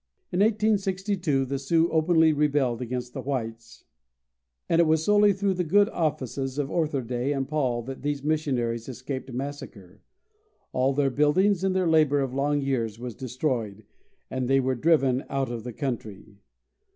In 1862 the Sioux openly rebelled against the whites, and it was solely through the good offices of Otherday and Paul that these missionaries escaped massacre. All their buildings and their labor of long years were destroyed, and they were driven out of the country.